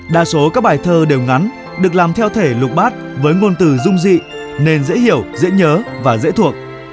đa số các bài thơ đều ngắn được làm theo thể lục bát với ngôn từ dung dị nên dễ hiểu dễ nhớ và dễ thuộc